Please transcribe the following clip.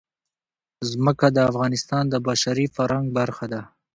ځمکه د افغانستان د بشري فرهنګ برخه ده.